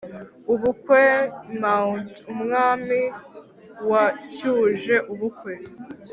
UBUKWE Mt umwami wacyuje ubukwe